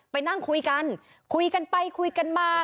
ไปนั่งคุยกันคุยกันไปคุยกันมา